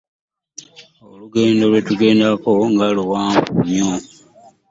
Olugendo lwetugendako nga luwamvu nyo.